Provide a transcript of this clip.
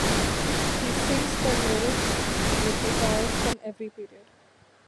He sings the lyric repertoire from every period.